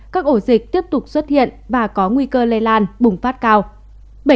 các ổ dịch tiếp tục xuất hiện và có nguy cơ lây lan bùng phát cao